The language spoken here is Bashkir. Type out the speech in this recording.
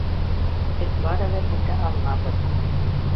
Беҙ барыбер үтә алмабыҙ.